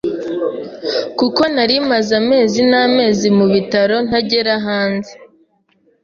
kuko nari maze amezi n’amezi mu bitaro ntagera hanze,